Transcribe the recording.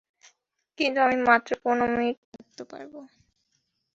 কিন্তু আমি মাত্র পনের মিনিট থাকতে পারব।